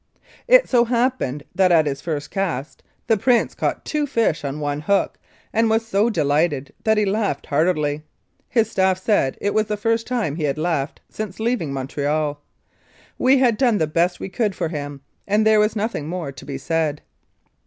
It so happened that at his first cast the Prince caught two fish on one hook, and was so de lighted that he laughed heartily. His staff said it was the first time he had laughed since leaving Montreal ! We had done the best we could for him, and there was nothing more to be said.